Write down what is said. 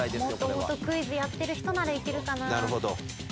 もともとクイズやってる人ならいけるかな。